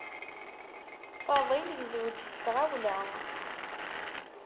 Fadil yezweǧ s tɣawla.